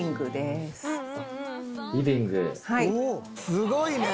すごいね！